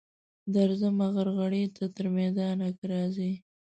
درځمه غرغړې ته تر میدانه که راځې.